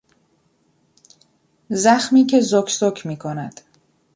زخمی که که زوک زوک میکند